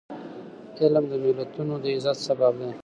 علم د ملتونو د عزت سبب دی.